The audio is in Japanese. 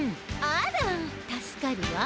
あら助かるわ。